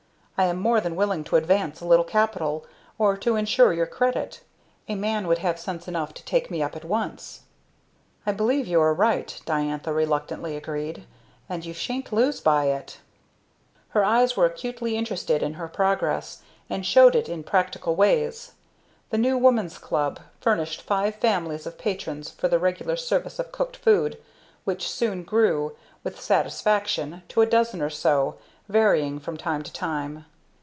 I am more than willing to advance a little capital, or to ensure your credit. A man would have sense enough to take me up at once." "I believe you are right," Diantha reluctantly agreed. "And you shan't lose by it!" Her friends were acutely interested in her progress, and showed it in practical ways. The New Woman's Club furnished five families of patrons for the regular service of cooked food, which soon grew, with satisfaction, to a dozen or so, varying from time to time.